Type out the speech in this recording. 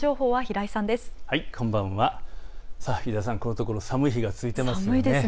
井田さん、このところ寒い日が続いていますね。